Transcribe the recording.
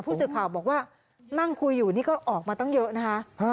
ผู้สื่อข่าวบอกว่านั่งคุยอยู่นี่ก็ออกมาตั้งเยอะนะคะ